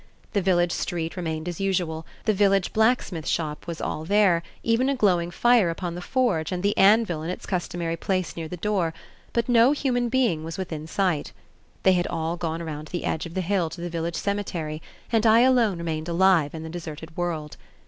The village street remained as usual, the village blacksmith shop was "all there," even a glowing fire upon the forge and the anvil in its customary place near the door, but no human being was within sight. They had all gone around the edge of the hill to the village cemetery, and I alone remained alive in the deserted world.